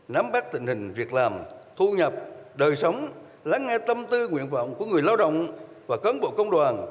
nắm bắt tình hình việc làm thu nhập đời sống lắng nghe tâm tư nguyện vọng của người lao động và cấn bộ công đoàn